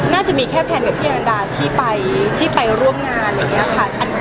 น่าจะมีแค่แพนกับพี่อนันดาที่ไปร่วมงานอะไรอย่างนี้ค่ะ